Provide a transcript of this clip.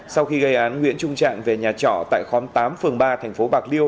sau khi gây án nguyễn trung trạng về nhà trọ tại khóm tám phường ba thành phố bạc liêu